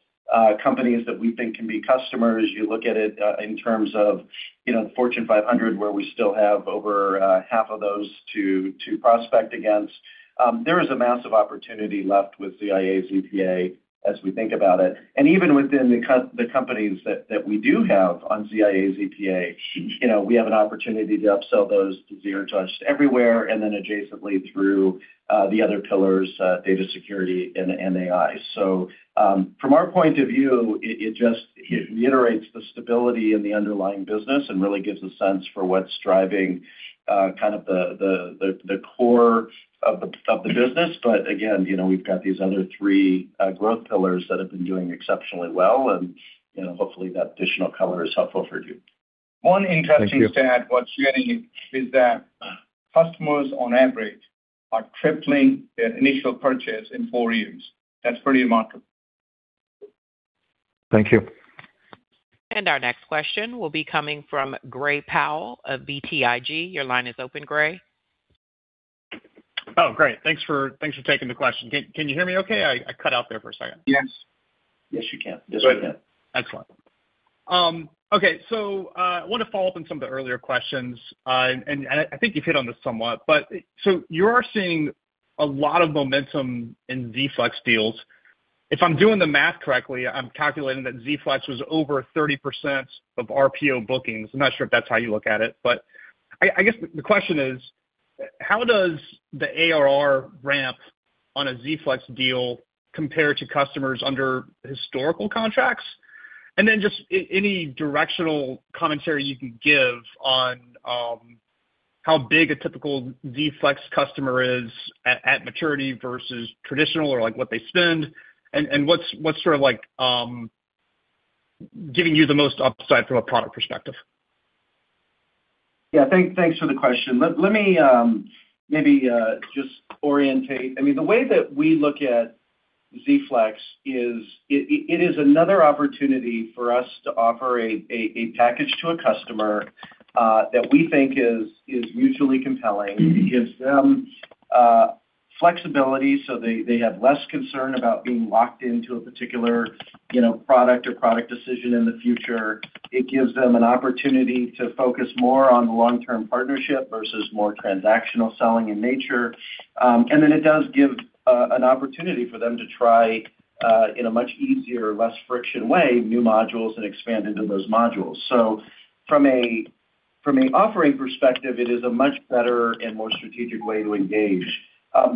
companies that we think can be customers, you look at it in terms of, you know, the Fortune 500, where we still have over half of those to prospect against, there is a massive opportunity left with ZIA/ZPA as we think about it. Even within the companies that we do have on ZIA/ZPA, you know, we have an opportunity to upsell those to Zero Trust Everywhere and then adjacently through the other pillars, data security and AI. From our point of view, it just iterates the stability in the underlying business and really gives a sense for what's driving, kind of the core of the business. Again, you know, we've got these other three growth pillars that have been doing exceptionally well, and, you know, hopefully, that additional color is helpful for you. Thank you. One interesting stat worth sharing is that customers on average are tripling their initial purchase in four years. That's pretty remarkable. Thank you. Our next question will be coming from Gray Powell of BTIG. Your line is open, Gray. Oh, great. Thanks for taking the question. Can you hear me okay? I cut out there for a second. Yes. Yes, we can. Just right now. Excellent. Okay. I wanna follow up on some of the earlier questions, I think you've hit on this somewhat. You are seeing a lot of momentum in Z-Flex deals. If I'm doing the math correctly, I'm calculating that Z-Flex was over 30% of RPO bookings. I'm not sure if that's how you look at it. I guess the question is: How does the ARR ramp on a Z-Flex deal compare to customers under historical contracts? Just any directional commentary you can give on how big a typical Z-Flex customer is at maturity versus traditional or, like, what they spend, and what's sort of like giving you the most upside from a product perspective? Yeah. Thanks for the question. Let me, maybe just orientate. I mean, the way that we look at Z-Flex is it is another opportunity for us to offer a package to a customer that we think is mutually compelling. It gives them flexibility, so they have less concern about being locked into a particular, you know, product or product decision in the future. It gives them an opportunity to focus more on the long-term partnership versus more transactional selling in nature. Then it does give an opportunity for them to try in a much easier, less friction way, new modules and expand into those modules. From a offering perspective, it is a much better and more strategic way to engage.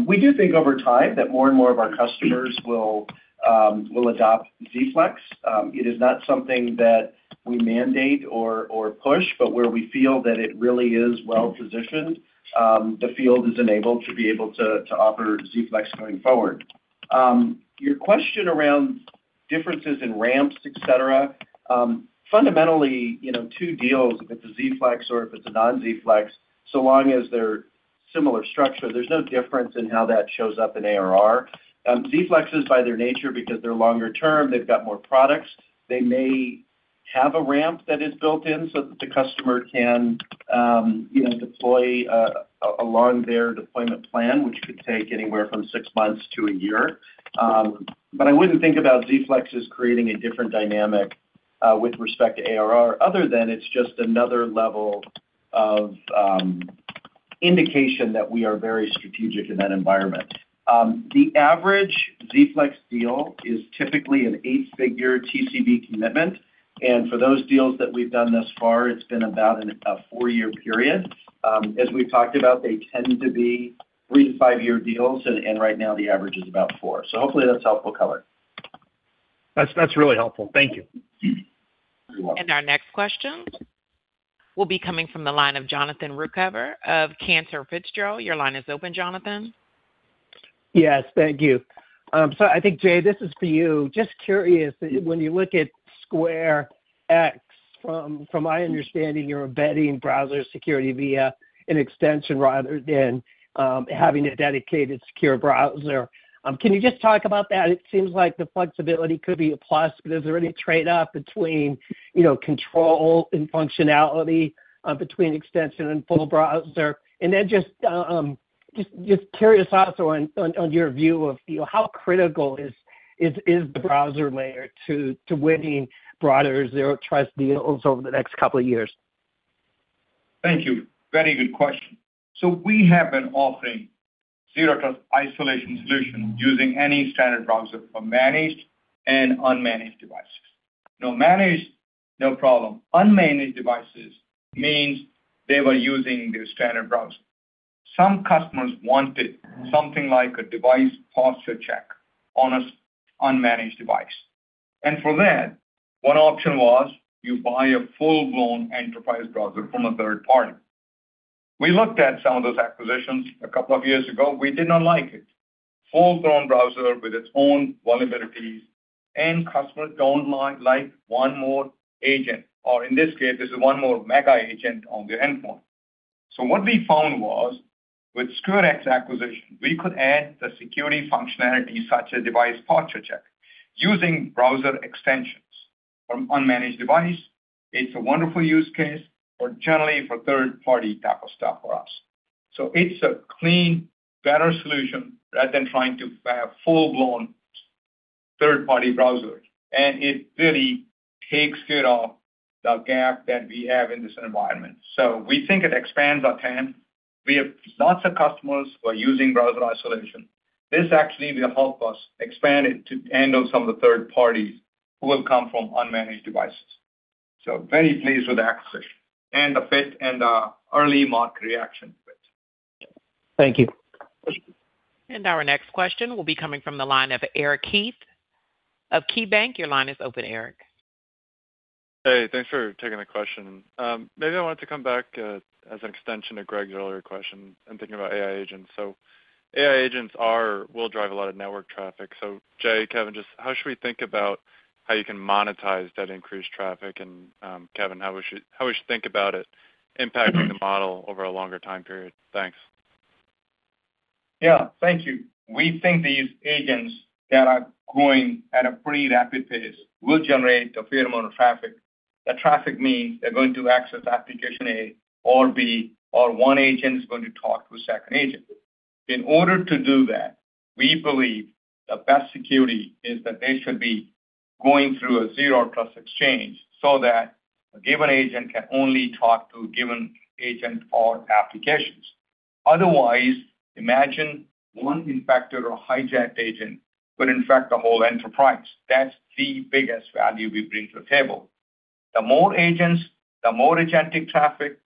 We do think over time that more and more of our customers will adopt Z-Flex. It is not something that we mandate or push, but where we feel that it really is well-positioned, the field is enabled to be able to offer Z-Flex going forward. Your question around differences in ramps, et cetera. Fundamentally, you know, two deals, if it's a Z-Flex or if it's a non-Z-Flex, so long as they're similar structure, there's no difference in how that shows up in ARR. Z-Flex is by their nature because they're longer term, they've got more products. They may have a ramp that is built in so that the customer can, you know, deploy along their deployment plan, which could take anywhere from six months to a year. I wouldn't think about Z-Flex as creating a different dynamic with respect to ARR, other than it's just another level of indication that we are very strategic in that environment. The average Z-Flex deal is typically an eight-figure TCV commitment, and for those deals that we've done thus far, it's been about a four-year period. As we've talked about, they tend to be three to five-year deals, and right now the average is about four. Hopefully that's helpful color. That's really helpful. Thank you. You're welcome. Our next question will be coming from the line of Jonathan Ruykhaver of Cantor Fitzgerald. Your line is open, Jonathan. Thank you. I think, Jay, this is for you. Just curious, when you look at SquareX, from my understanding, you're embedding browser security via an extension rather than having a dedicated secure browser. Can you just talk about that? It seems like the flexibility could be a plus, but is there any trade-off between, you know, control and functionality between extension and full browser? Then just curious also on your view of, you know, how critical is the browser layer to winning broader Zero Trust deals over the next couple of years? Thank you. Very good question. We have been offering Zero Trust Isolation solution using any standard browser for managed and unmanaged devices. Now managed, no problem. Unmanaged devices means they were using the standard browser. Some customers wanted something like a device posture check on an unmanaged device. For that, one option was you buy a full-blown enterprise browser from a third party. We looked at some of those acquisitions a couple of years ago. We did not like it. Full-blown browser with its own vulnerabilities, and customers don't like one more agent, or in this case, this is one more mega agent on the endpoint. What we found was with SquareX acquisition, we could add the security functionality such as device posture check using browser extensions from unmanaged device. It's a wonderful use case or generally for third-party type of stuff for us. It's a clean, better solution rather than trying to have full-blown third-party browser. It really takes care of the gap that we have in this environment. We think it expands our TAM. We have lots of customers who are using browser isolation. This actually will help us expand it to handle some of the third parties who will come from unmanaged devices. Very pleased with the acquisition and the fit and the early market reaction to it. Thank you. Our next question will be coming from the line of Eric Heath of KeyBanc. Your line is open, Eric. Hey, thanks for taking the question. Maybe I wanted to come back as an extension to Greg's earlier question and thinking about AI agents. AI agents will drive a lot of network traffic. Jay, Kevin, just how should we think about how you can monetize that increased traffic? Kevin, how we should think about it impacting the model over a longer time period? Thanks. Yeah. Thank you. We think these agents that are growing at a pretty rapid pace will generate a fair amount of traffic. The traffic means they're going to access application A or B, or one agent is going to talk to a second agent. In order to do that, we believe the best security is that they should be going through a Zero Trust Exchange so that a given agent can only talk to a given agent or applications. Otherwise, imagine one infected or hijacked agent could infect the whole enterprise. That's the biggest value we bring to the table. The more agents, the more agentic traffic,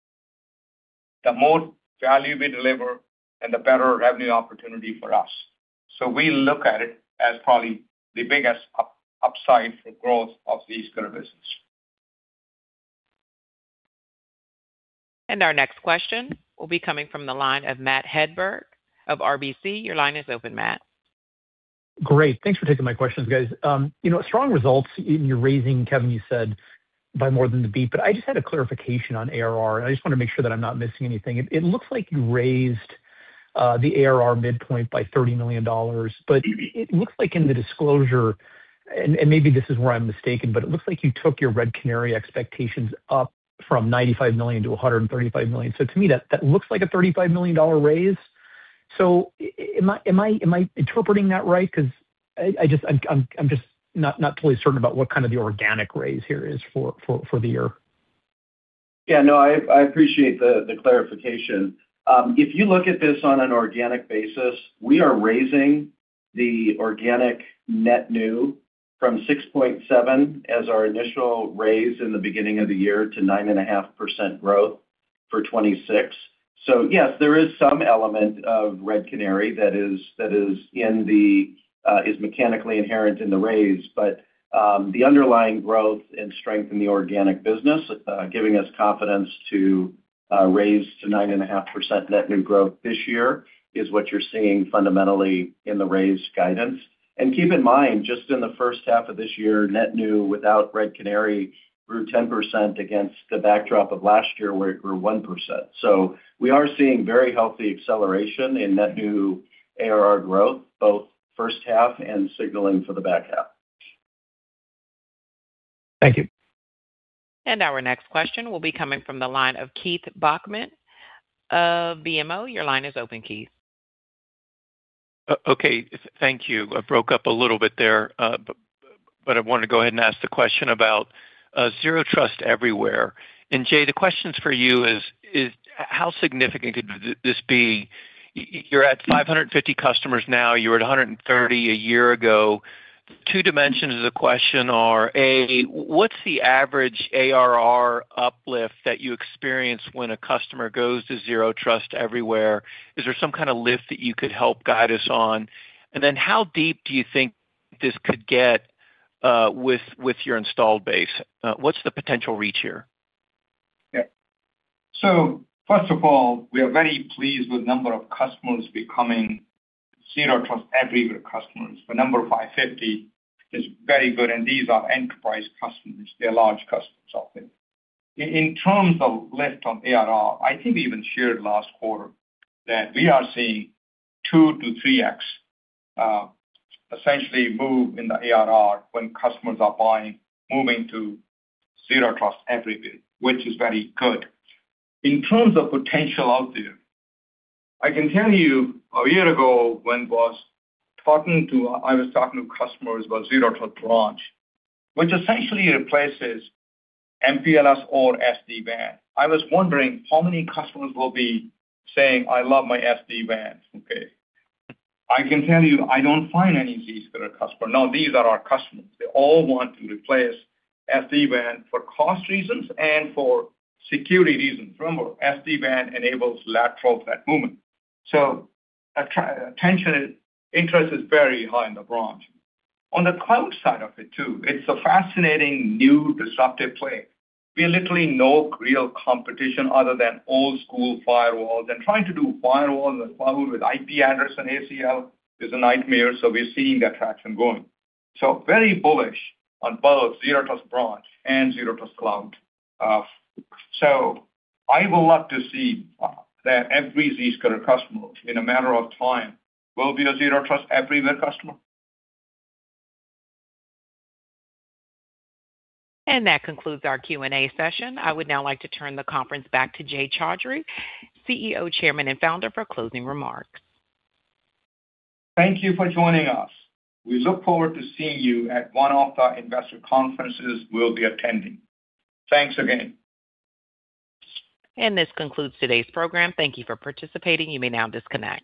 the more value we deliver and the better revenue opportunity for us. We look at it as probably the biggest upside for growth of these kind of business. Our next question will be coming from the line of Matt Hedberg of RBC. Your line is open, Matt. Great. Thanks for taking my questions, guys. you know, strong results. In your raising, Kevin, you said By more than the beat. I just had a clarification on ARR, and I just wanna make sure that I'm not missing anything. It looks like you raised the ARR midpoint by $30 million. It looks like in the disclosure, and maybe this is where I'm mistaken, but it looks like you took your Red Canary expectations up from $95 million to $135 million. To me, that looks like a $35 million raise. Am I interpreting that right? 'Cause I'm just not totally certain about what kind of the organic raise here is for the year. Yeah, no, I appreciate the clarification. If you look at this on an organic basis, we are raising the organic net new from 6.7 as our initial raise in the beginning of the year to 9.5% growth for 2026. Yes, there is some element of Red Canary that is in the mechanically inherent in the raise. The underlying growth and strength in the organic business, giving us confidence to raise to 9.5% net new growth this year is what you're seeing fundamentally in the raised guidance. Keep in mind, just in the first half of this year, net new without Red Canary grew 10% against the backdrop of last year where it grew 1%. We are seeing very healthy acceleration in net new ARR growth, both first half and signaling for the back half. Thank you. Our next question will be coming from the line of Keith Bachman of BMO. Your line is open, Keith. Okay, thank you. It broke up a little bit there, but I wanna go ahead and ask the question about Zero Trust Everywhere. Jay, the question for you is, how significant could this be? You're at 550 customers now, you were at 130 a year ago. Two dimensions of the question are, A, what's the average ARR uplift that you experience when a customer goes to Zero Trust Everywhere? Is there some kinda lift that you could help guide us on? How deep do you think this could get with your installed base? What's the potential reach here? Yeah. First of all, we are very pleased with number of customers becoming Zero Trust Everywhere customers. The number 550 is very good, and these are enterprise customers. They're large customers out there. In terms of lift on ARR, I think we even shared last quarter that we are seeing 2 to 3x essentially move in the ARR when customers are buying, moving to Zero Trust Everywhere, which is very good. In terms of potential out there, I can tell you a year ago when I was talking to customers about Zero Trust Branch, which essentially replaces MPLS or SD-WAN. I was wondering how many customers will be saying, "I love my SD-WANs," okay? I can tell you, I don't find any of these kind of customer. No, these are our customers. They all want to replace SD-WAN for cost reasons and for security reasons. Remember, SD-WAN enables lateral threat movement. Attention, interest is very high in the branch. On the cloud side of it too, it's a fascinating new disruptive play. We literally no real competition other than old-school firewalls, and trying to do firewall that follow with IP address and ACL is a nightmare. We're seeing the traction going. Very bullish on both Zero Trust Branch and Zero Trust Cloud. I would love to see that every Zscaler customer in a matter of time will be a Zero Trust Everywhere customer. That concludes our Q&A session. I would now like to turn the conference back to Jay Chaudhry, CEO, Chairman, and Founder, for closing remarks. Thank you for joining us. We look forward to seeing you at one of the investor conferences we'll be attending. Thanks again. This concludes today's program. Thank you for participating. You may now disconnect.